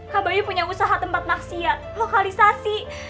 kak bayu punya usaha tempat naksihat lokalisasi